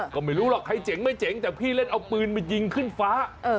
ก็ไม่รู้หรอกใครเจ๋งไม่เจ๋งแต่พี่เล่นเอาปืนมายิงขึ้นฟ้า